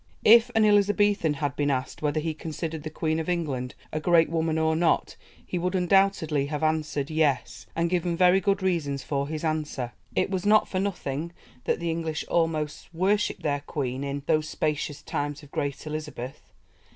If an Elizabethan had been asked whether he considered the Queen of England a great woman or not, he would undoubtedly have answered "Yes," and given very good reasons for his answer. It was not for nothing that the English almost worshipped their Queen in "those spacious times of great Elizabeth."